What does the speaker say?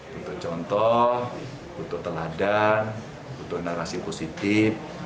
butuh contoh butuh teladan butuh narasi positif